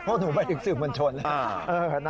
พวกหนูก็เรื่องสื่อบรรชนละ